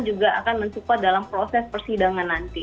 juga akan mensupport dalam proses persidangan nanti